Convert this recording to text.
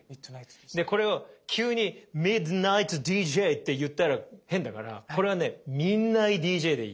でこれを急に「ＭｉｄｎｉｇｈｔＤＪ」って言ったら変だからこれはね「ミンナイＤＪ」でいい。